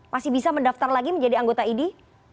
masih bisa mendaftar lagi menjadi anggota idi